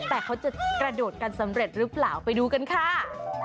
แต่เขาจะกระโดดกันสำเร็จหรือเปล่าไปดูกันค่ะ